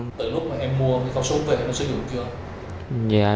từ lúc mà em mua khẩu súng về nó sử dụng kia không